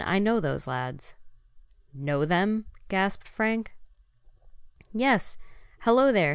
I know those lads!" "Know them?" gasped Frank. "Yes. Hello there!"